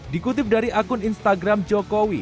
dikutip dari akun instagram jokowi